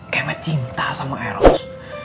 kayaknya cinta sama eros